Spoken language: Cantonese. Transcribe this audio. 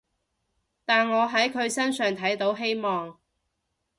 但我喺佢身上睇到希望